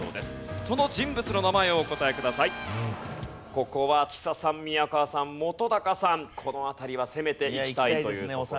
ここは木佐さん宮川さん本さんこの辺りは攻めていきたいというところです。